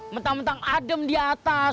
mentang mentang adem di atas